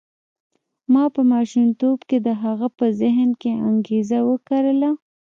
ما په ماشومتوب کې د هغه په ذهن کې انګېزه وکرله.